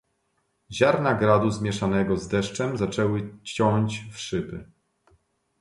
"Ziarna gradu zmieszanego z deszczem zaczęły ciąć w szyby."